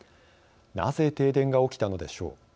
なぜ停電が起きたのでしょう。